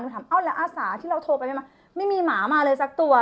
ถามเอ้าแล้วอาสาที่เราโทรไปไม่มาไม่มีหมามาเลยสักตัว